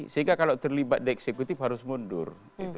sehingga kalau terlibat di eksekutif harus mundur